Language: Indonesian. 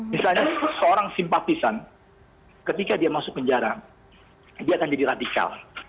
misalnya seorang simpatisan ketika dia masuk penjara dia akan jadi radikal